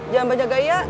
jangan banyak gaya